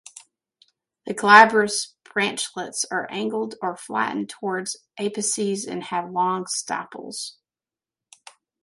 The glabrous branchlets are angled or flattened towards apices and have long stipules.